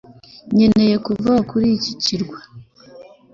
nkeneye kuva kuri iki kirwa